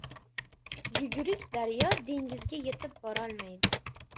• Yugurik daryo dengizga yetib borolmaydi.